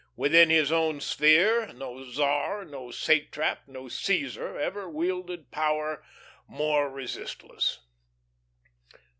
Within his own sphere no Czar, no satrap, no Caesar ever wielded power more resistless.